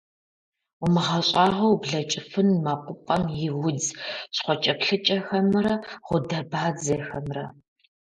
УмыгъэщӀагъуэу ублэкӀыфын мэкъупӀэм и удз щхъуэкӀэплъыкӀэхэмрэ гъудэбадзэхэмрэ!